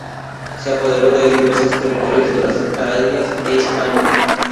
Se apoderó de diversos territorios de las Galias e Hispania.